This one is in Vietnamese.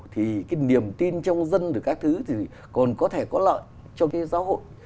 thì cái niềm tin trong dân từ các thứ thì còn có thể có lợi cho cái giáo hội